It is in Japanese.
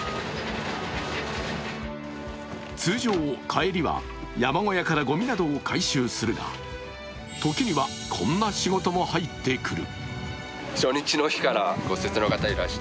通常、帰りは山小屋からごみなどを回収するが、時には、こんな仕事も入ってくる。